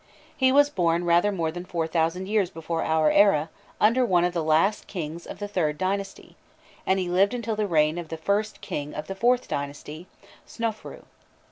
He was born rather more than four thousand years before our era under one of the last kings of the IIIrd dynasty, and he lived until the reign of the first king of the IVth dynasty, Snofrûi.